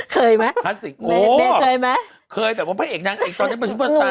เคยบางทีแบบว่าพระเอกชุดลึก